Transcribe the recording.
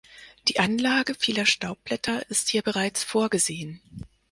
Die Anlage vieler Staubblätter ist hier bereits vorgesehen.